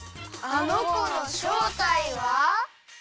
あのこのしょうたいは？